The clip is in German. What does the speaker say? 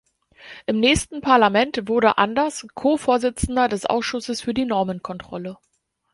Im nächsten Parlament wurde Anders Co-Vorsitzender des Ausschusses für die Normenkontrolle.